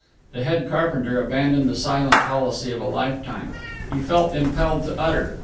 The head carpenter abandoned the silent policy of a lifetime. He felt impelled to utter.